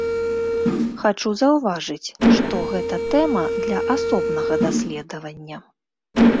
Хачу заўважыць, што гэта тэма для асобнага даследавання.